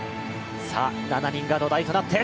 ７人が土台となって